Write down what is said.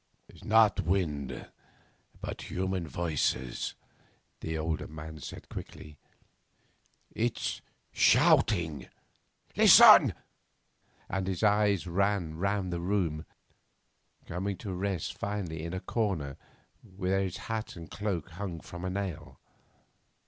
'Not wind, but human voices,' the older man said quickly. 'It's shouting. Listen!' and his eyes ran round the room, coming to rest finally in a corner where his hat and cloak hung from a nail.